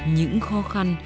những khó khăn